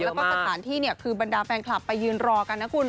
แล้วก็สถานที่คือบรรดาแฟนคลับไปยืนรอกันนะคุณ